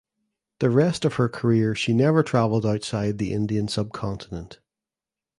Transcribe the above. The rest of her career she never travelled outside the Indian subcontinent.